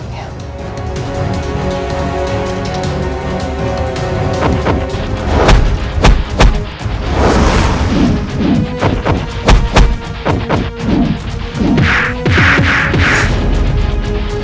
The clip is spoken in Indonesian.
matilah kau istri sliwangi